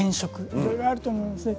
いろいろあると思うんですね。